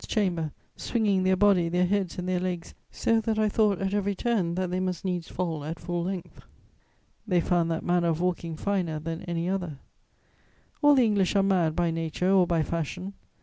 's chamber, "swinging their body, their heads and their legs so that I thought at every turn that they must needs fall at full length.... They found that manner of walking finer than any other." [Sidenote: London society.] All the English are mad by nature or by fashion.